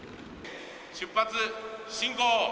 出発進行。